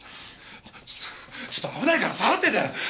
ちょっと危ないから下がってて！